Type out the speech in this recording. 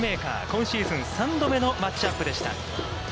今シーズン３度目のマッチアップでした。